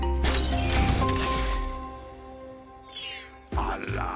あら！